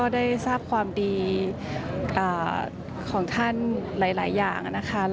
ได้ทราบความดีของท่านหลายอย่างนะคะ